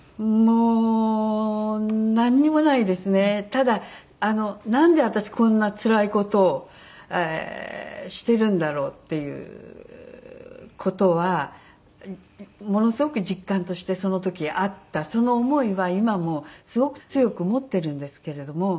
ただなんで私こんなつらい事をしているんだろうっていう事はものすごく実感としてその時あったその思いは今もすごく強く持っているんですけれども。